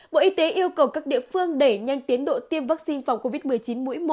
bộ y tế yêu cầu các địa phương đẩy nhanh tiến độ tiêm vaccine phòng covid một mươi chín mũi một